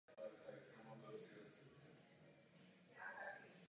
Hra umožňuje hráči dělat vlastní rozhodnutí o přežití.